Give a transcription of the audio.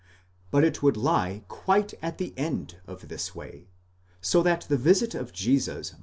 But it would lie quite at the end of this way, so that the visit of Jesus must 5.